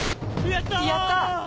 やった！